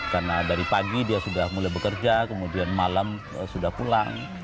karena dari pagi dia sudah mulai bekerja kemudian malam sudah pulang